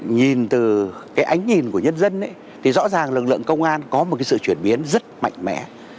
nhìn từ cái ánh nhìn của nhân dân thì rõ ràng lực lượng công an có một cái sự chuyển biến rất mạnh mẽ